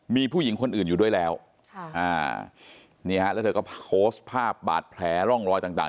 มีผู้หญิงคนอื่นอยู่ด้วยแล้วเธอก็โพสต์ภาพบาดแผลร่องรอยต่าง